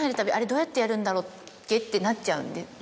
どうやってやるんだっけ？ってなっちゃうんで。